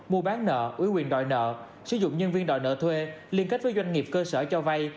mua bán nợ ủy quyền đòi nợ sử dụng nhân viên đòi nợ thuê liên kết với doanh nghiệp cơ sở cho vay